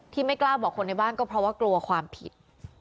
ไม่กล้าบอกคนในบ้านก็เพราะว่ากลัวความผิด